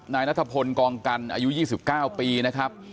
นายนัทพลกองกันอายุยี่สิบเก้าปีนะครับ